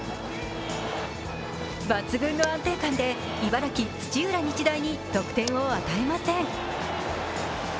抜群の安定感で茨城・土浦日大に得点を与えません。